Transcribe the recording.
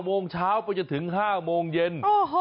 โมงเช้าไปจนถึง๕โมงเย็น